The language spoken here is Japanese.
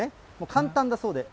簡単だそうで。